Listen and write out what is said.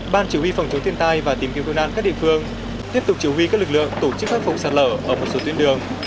ban chỉ huy phòng chống thiên tai và tìm kiếm cứu nạn các địa phương tiếp tục chỉ huy các lực lượng tổ chức khắc phục sạt lở ở một số tuyến đường